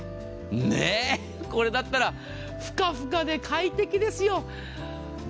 ねぇ、これだったらふかふかで快適ですよ。